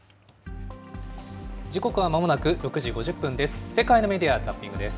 時刻はまもなく６時５０分です。